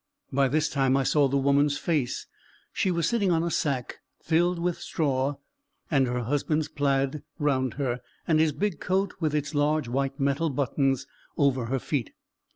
By this time I saw the woman's face; she was sitting on a sack filled with straw, her husband's plaid round her, and his big coat with its large white metal buttons over her feet.